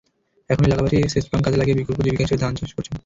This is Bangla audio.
এখন এলাকাবাসী সেচপাম্প কাজে লাগিয়ে বিকল্প জীবিকা হিসেবে ধান চাষ করছেন।